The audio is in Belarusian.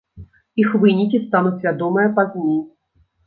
Іх вынікі стануць вядомыя пазней.